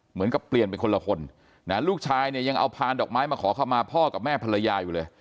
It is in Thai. เหมือนกับเปลี่ยนเป็นคนละคนนะลูกชายเนี่ยยังเอาพานดอกไม้มาขอเข้ามาพ่อกับแม่ภรรยาอยู่เลย